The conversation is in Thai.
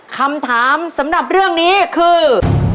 คำถามสำหรับเรื่องนี้คือ